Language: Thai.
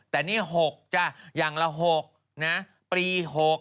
แต่นี่๖จ้ะอย่างละ๖นะปี๖